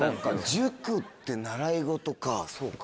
塾って習い事かそうか。